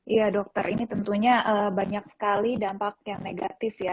iya dokter ini tentunya banyak sekali dampak yang negatif ya